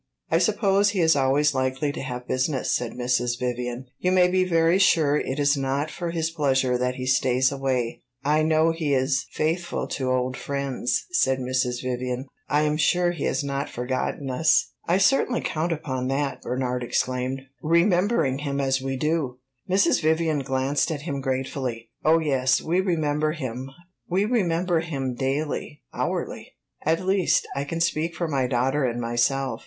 "I suppose he is always likely to have business," said Mrs. Vivian. "You may be very sure it is not for his pleasure that he stays away." "I know he is faithful to old friends," said Mrs. Vivian. "I am sure he has not forgotten us." "I certainly count upon that," Bernard exclaimed "remembering him as we do!" Mrs. Vivian glanced at him gratefully. "Oh yes, we remember him we remember him daily, hourly. At least, I can speak for my daughter and myself.